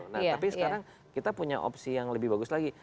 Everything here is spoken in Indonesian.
nah tapi sekarang kita punya opsi yang lebih bagus lagi